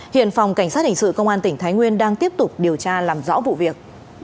hiện phòng cảnh sát hình sự công an tỉnh thái nguyên đang tiếp tục điều tra làm rõ vụ việc